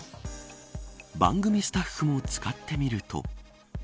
番組スタッフも使ってみると。